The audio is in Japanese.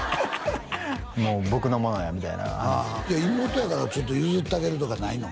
もう僕の物やみたいな妹やからちょっと譲ってあげるとかないの？